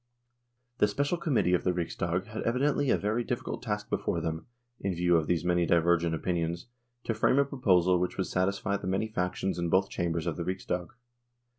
1 The Special Committee of the Riksdag had evi dently a very difficult task before them, in view of these many divergent opinions, to frame a proposal which would satisfy the many factions in both Chambers of the Riksdag.